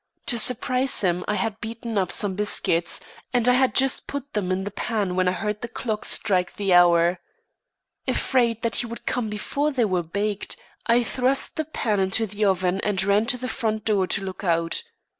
To surprise him I had beaten up some biscuits, and I had just put them in the pan when I heard the clock strike the hour. Afraid that he would come before they were baked, I thrust the pan into the oven and ran to the front door to look out.